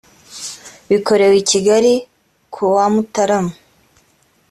bikorewe i kigali kuwa mutarama